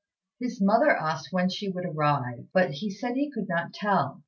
His mother asked when she would arrive; but he said he could not tell.